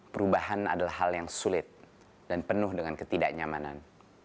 perubahan adalah hal yang sulit dan penuh dengan ketidaknyamanan